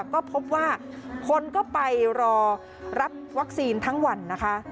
ก็พบว่าคนก็ไปรอรับวัคซีนทั้งวันนะคะ